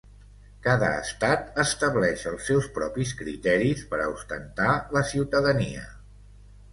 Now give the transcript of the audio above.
Cada estat estableix els seus propis criteris per a ostentar la ciutadania.